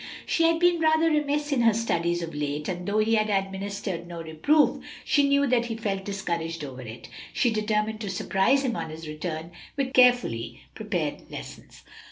She had been rather remiss in her studies of late, and though he had administered no reproof, she knew that he felt discouraged over it. She determined to surprise him on his return with carefully prepared lessons.